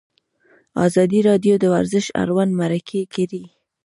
ازادي راډیو د ورزش اړوند مرکې کړي.